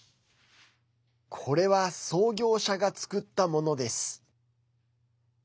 これは創業者が作ったものです。